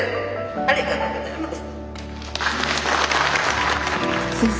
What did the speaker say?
ありがとうございます。